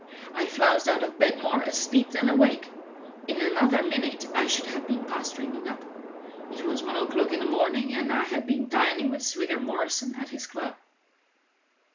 I flounced out of bed more asleep than awake; in another minute I should have been past ringing up. It was one o'clock in the morning, and I had been dining with Swigger Morrison at his club.